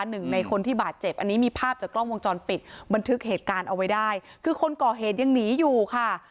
หนึ่งในคนที่บาดเจ็บอันนี้มีภาพจากกล้องวงจรปิดบันทึกเหตุการณ์เอาไว้ได้คือคนก่อเหตุยังหนีอยู่ค่ะ